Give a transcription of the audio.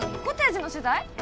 コテージの取材？